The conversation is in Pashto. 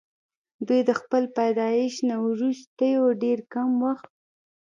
دوي د خپل پيدائش نه وروستو ډېر کم وخت